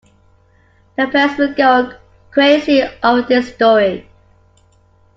The press will go crazy over this story.